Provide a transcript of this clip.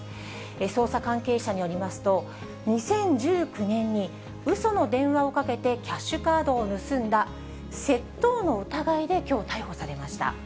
捜査関係者によりますと、２０１９年にうその電話をかけてキャッシュカードを盗んだ窃盗の疑いできょう、逮捕されました。